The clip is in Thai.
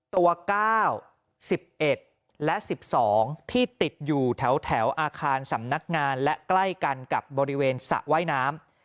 ๙๑๑และ๑๒ที่ติดอยู่แถวอาคารสำนักงานและใกล้กันกับบริเวณสระว่ายน้ำ